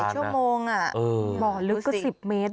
หลายชั่วโมงอ่ะเออหม่อลึกก็สิบเมตร